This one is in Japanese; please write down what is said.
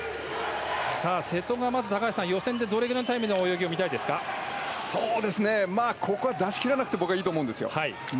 瀬戸が高橋さん予選でどれくらいのタイムのここは、出しきらなくても僕はいいと思うんですよ。